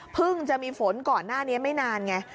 จะมีฝนก่อนหน้านี้ไม่นานไง